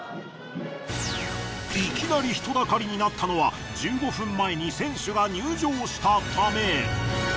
いきなり人だかりになったのは１５分前に選手が入場したため。